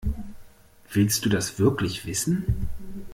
Willst du das wirklich wissen?